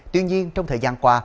tuy nhiên trong thời gian qua